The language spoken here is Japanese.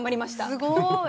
すごい。